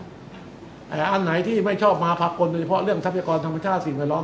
แต่อันไหนที่ไม่ชอบมาภากลโดยเฉพาะเรื่องทรัพยากรธรรมชาติสิ่งแวดล้อม